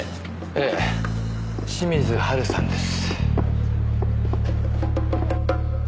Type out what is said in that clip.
ええ清水ハルさんです。